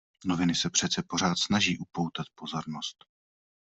Noviny se přece pořád snaží upotat pozornost.